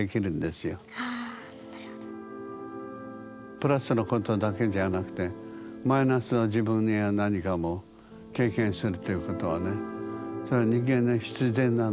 プラスのことだけじゃなくてマイナスは自分には何かも経験するっていうことはねそれは人間に必然なの。